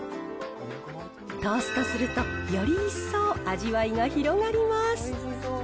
トーストすると、より一層、味わいが広がります。